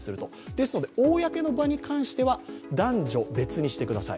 ですので、公の場に関しては男女別にしてください。